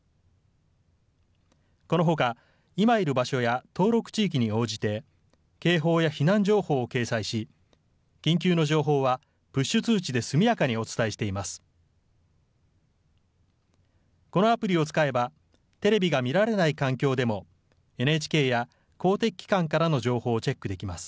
このほか今いる場所や登録地域に応じて、警報や避難情報を掲載し、緊急の情報はプッシュ通知で速やかにお伝えしています。